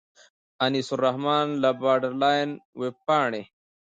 انیس الرحمن له باډرلاین وېبپاڼې.